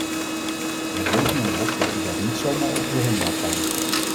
Wij rekenen erop dat u dat niet zomaar over u heen laat gaan.